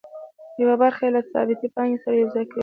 یوه برخه یې له ثابتې پانګې سره یوځای کوي